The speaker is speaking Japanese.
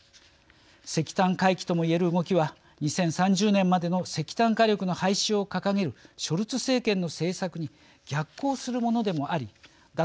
石炭回帰とも言える動きは２０３０年までの石炭火力の廃止を掲げるショルツ政権の政策に逆行するものでもあり脱